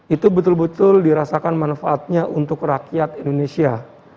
itu betul betul dirasakan manfaatnya untuk rakyat indonesia